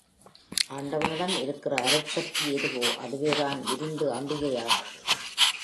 ஆண்டவனிடம் இருக்கிற அருட்சக்தி எதுவோ அதுவேதான் விரிந்து அம்பிகையாகிறது.